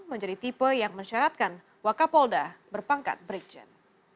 menjadi tipe yang mensyaratkan wakil polda berpangkat bridgen